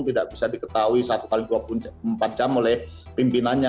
tidak bisa diketahui satu x dua puluh empat jam oleh pimpinannya